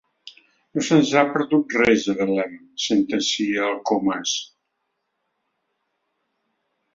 No se'ns hi ha perdut res, a Belem —sentencia el Comas.